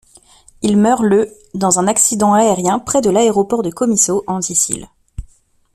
Il meurt le dans un accident aérien près de l'aéroport de Comiso, en Sicile.